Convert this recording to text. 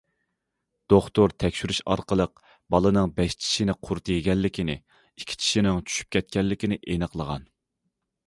دوختۇر تەكشۈرۈش ئارقىلىق بالىنىڭ بەش چىشىنى قۇرت يېگەنلىكىنى، ئىككى چىشىنىڭ چۈشۈپ كەتكەنلىكىنى ئېنىقلىغان.